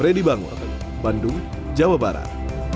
ready bangun bandung jawa barat